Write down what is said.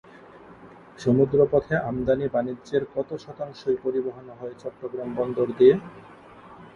সমুদ্রপথে আমদানি বাণিজ্যের কত শতাংশই পরিবহন হয় চট্টগ্রাম বন্দর দিয়ে?